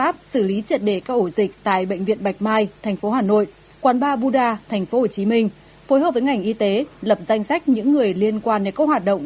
phối hợp với ngành y tế lập danh sách những người liên quan đến các hoạt động